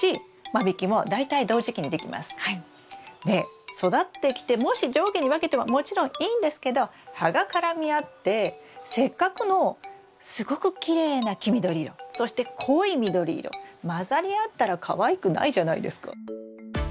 で育ってきてもし上下に分けてももちろんいいんですけど葉が絡み合ってせっかくのすごくきれいな黄緑色そして濃い緑色混ざり合ったらかわいくないじゃないですか。